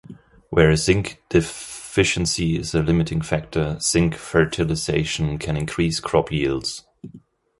Where zinc deficiency is a limiting factor, zinc fertilization can increase crop yields.